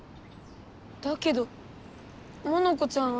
だけどモノコちゃんは。